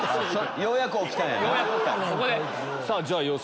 ようやく起きたんです。